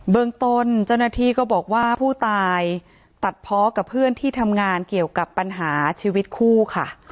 เมืองต้นเจ้าหน้าที่ก็บอกว่าผู้ตายตัดเพาะกับเพื่อนที่ทำงานเกี่ยวกับปัญหาชีวิตคู่ค่ะ